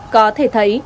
có thể thấy